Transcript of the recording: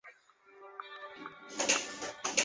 纳喇氏生下儿子巴雅喇。